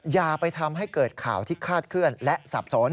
อย่าไปทำให้เกิดข่าวที่คาดเคลื่อนและสับสน